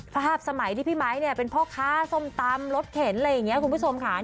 ภาพสมัยที่พี่ไมค์เนี่ยเป็นพ่อค้าส้มตำรถเข็นอะไรอย่างนี้คุณผู้ชมค่ะ